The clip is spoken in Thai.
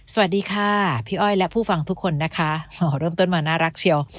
สวัสดีค่ะพี่อ้อยและผู้ฟังทุกคนนะคะเริ่มต้นมาน่ารักเชียว